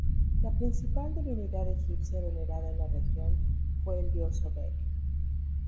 La principal divinidad egipcia venerada en la región fue el dios Sobek.